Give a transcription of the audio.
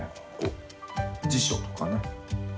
辞書とかね。